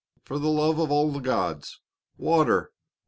for the love of all the gods, water!